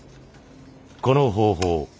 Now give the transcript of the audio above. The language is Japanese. この方法